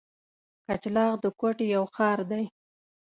کچلاغ د کوټي یو ښار دی.